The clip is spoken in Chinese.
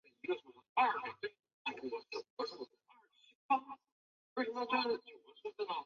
圆叶兔尾草为豆科兔尾草属下的一个种。